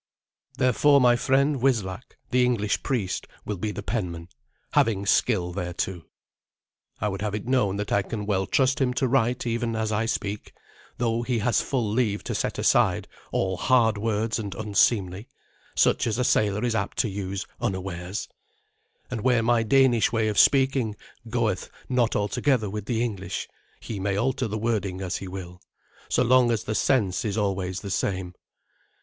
Therefore my friend Wislac, the English priest, will be the penman, having skill thereto. I would have it known that I can well trust him to write even as I speak, though he has full leave to set aside all hard words and unseemly, such as a sailor is apt to use unawares; and where my Danish way of speaking goeth not altogether with the English, he may alter the wording as he will, so long as the sense is always the same.